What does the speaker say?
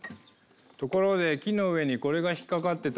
ところで木の上にこれが引っ掛かってたんだ。